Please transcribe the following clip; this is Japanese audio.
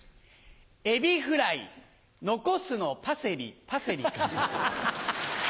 エビフライ残すのパセリパセリかな。